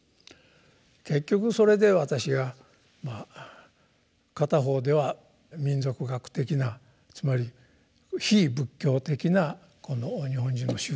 結局それで私は片方では民俗学的なつまり非仏教的な日本人の宗教心ですね